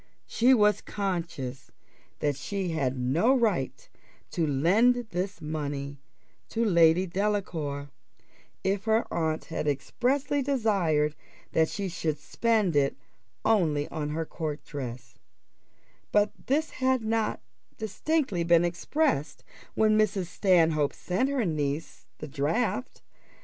She was conscious that she had no right to lend this money to Lady Delacour, if her aunt had expressly desired that she should spend it only on her court dress; but this had not distinctly been expressed when Mrs. Stanhope sent her niece the draft.